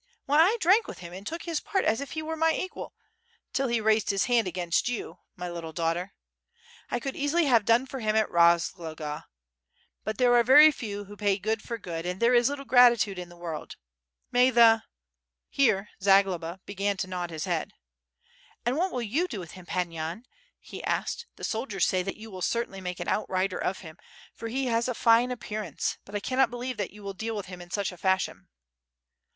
Why, I drank with him and took his part as if he were my equal, till he raised his hand against you, my little daughter. I could easily have done for him at Rozloga. But there are very few who pay good for good, and there is little gratitude in this world. May the —" Here Zagloba began to nod his head. "And what will you do with him, Pan Yan?" he asked, "the soldiers say that you will certainly make an outrider of him, for he has a fine appearance; but I cannot believe that you will deal with him in such a fashion."